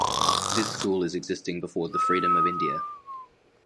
This school is existing before the freedom of India.